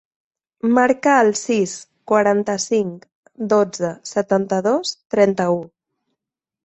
Marca el sis, quaranta-cinc, dotze, setanta-dos, trenta-u.